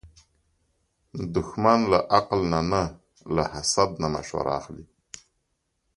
دښمن له عقل نه نه، له حسد نه مشوره اخلي